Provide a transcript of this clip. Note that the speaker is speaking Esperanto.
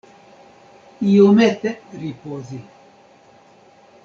Iomete ripozi.